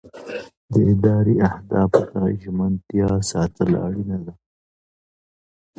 د ادارې اهدافو ته ژمنتیا ساتل اړینه ده.